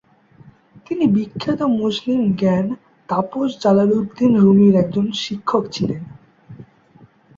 তিনি বিখ্যাত মুসলিম জ্ঞান তাপস জালালউদ্দিন রুমির একজন শিক্ষক ছিলেন।